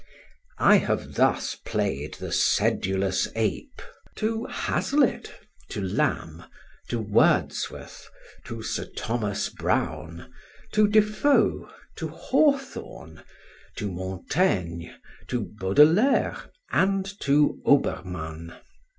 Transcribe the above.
I have thus played the sedulous ape to Hazlitt, to Lamb, to Wordsworth, to Sir Thomas Browne, to Defoe, to Hawthorne, to Montaigne, to Baudelaire and to Obermann.